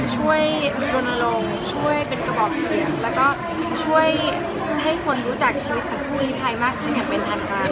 ช่วยลนลงช่วยเป็นกระบอกเสียงแล้วก็ช่วยให้คนรู้จักชีวิตของผู้ลิภัยมากขึ้นอย่างเป็นทางการ